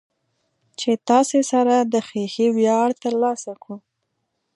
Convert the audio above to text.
چې تاسې سره د خېښۍ وياړ ترلاسه کو.